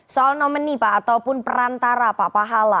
soal nomeni pak ataupun perantara pak pahala